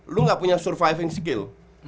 lu gak punya surviving skill